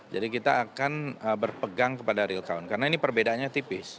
jadi kita akan berpegang kepada real count karena ini perbedaannya tipis